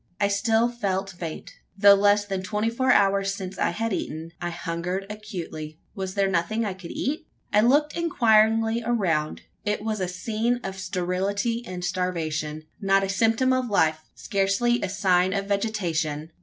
I still felt faint. Though less than twenty four hours since I had eaten, I hungered acutely. Was there nothing I could eat? I looked inquiringly around. It was a scene of sterility and starvation. Not a symptom of life scarcely a sign of vegetation!